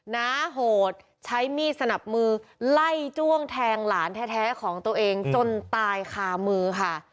น้าโหดใช้มีดสนับมือไล่จ้วงแทงหลานแท้ของตัวเองจนตายคามือค่ะ